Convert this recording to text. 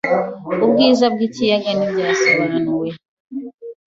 Ubwiza bwikiyaga ntibwasobanuwe.